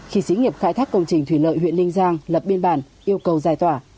khi sĩ nghiệp khai thác công trình thủy lợi huyện ninh giang lập biên bản yêu cầu giải tỏa